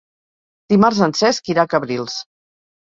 Dimarts en Cesc irà a Cabrils.